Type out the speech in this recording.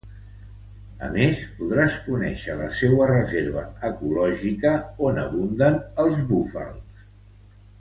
A més, podràs conéixer la seua reserva ecològica on abunden els búfals.